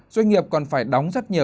doanh nghiệp còn phải đóng rất nhiều